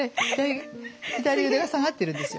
左腕が下がってるんですよ。